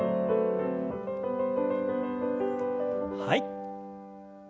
はい。